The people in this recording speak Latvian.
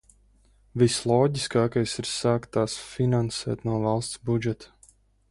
Visloģiskākais ir sākt tās finansēt no valsts budžeta.